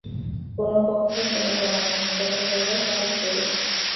কোনো পক্ষে কোনো প্রমাণ নাই, তর্ক কেবলই গায়ের জোরে।